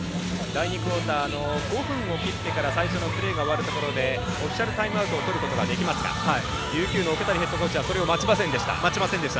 第２クオーターの５分を切ってから最初のプレーが終わるところでオフィシャルタイムアウトをとることができますが琉球の桶谷ヘッドコーチはそれを待ちませんでした。